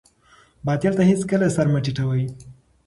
باطل ته هېڅکله سر مه ټیټوئ.